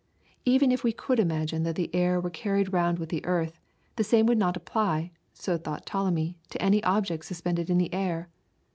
Even if we could imagine that the air were carried round with the earth, the same would not apply, so thought Ptolemy, to any object suspended in the air.